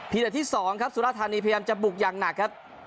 อันดับที่๒ครับสุราธานีพยายามจะบุกอย่างหนักครับ